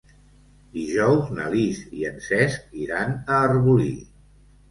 Dijous na Lis i en Cesc iran a Arbolí.